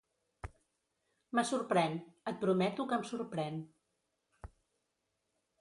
Me sorprèn, et prometo que em sorprèn.